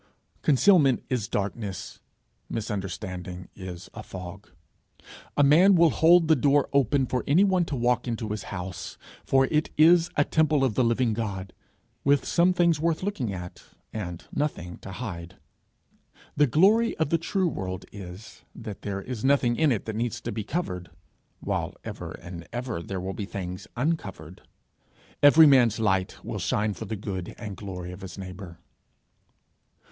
Concealment is darkness; misunderstanding is a fog. A man will hold the door open for anyone to walk into his house, for it is a temple of the living God with some things worth looking at, and nothing to hide. The glory of the true world is, that there is nothing in it that needs to be covered, while ever and ever there will be things uncovered. Every man's light will shine for the good and glory of his neighbour.